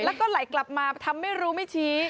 แล้วก็ไหลกลับมาทำไม่รู้ไม่ชี้